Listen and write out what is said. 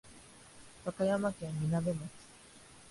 和歌山県みなべ町